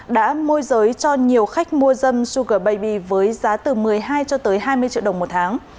đã môi giới cho nhiều khách mua dâm suger baby với giá từ một mươi hai cho tới hai mươi triệu đồng một tháng